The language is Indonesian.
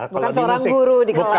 bukan corang guru dikeluarkan